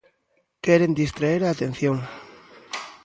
Queren distraer a atención.